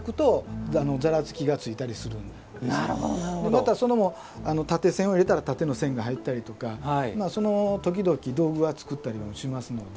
またそれも縦線を入れたら縦の線が入ったりとかその時々道具は作ったりはしますので。